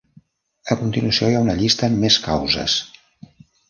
A continuació hi ha una llista amb més causes.